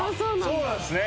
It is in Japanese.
そうなんですね。